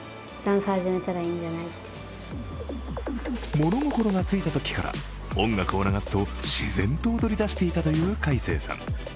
物心がついたときから、音楽を流すと自然と踊り出していたという快晴さん。